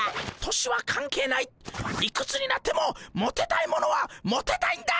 年は関係ないいくつになってもモテたいものはモテたいんだ！